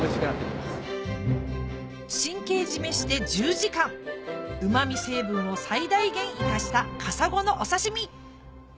神経締めして１０時間うま味成分を最大限生かしたカサゴのお刺身！